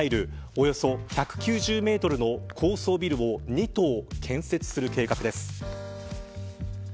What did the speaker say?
およそ１９０メートルの高層ビルを２棟建設する計画です。